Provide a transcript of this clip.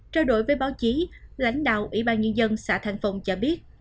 trao đổi với báo chí lãnh đạo ủy ban nhân dân xã thành phong cho biết